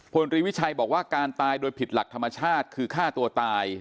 พลตรีวิชัยบอกว่าการตายโดยผิดหลักธรรมชาติคือฆ่าตัวตาย